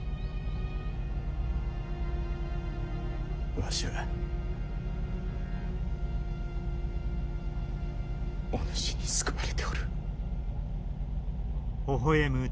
わしはお主に救われておる。